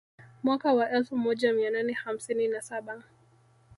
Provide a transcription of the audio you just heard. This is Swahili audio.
Mwaka wa elfu moja mia nane hamsini na saba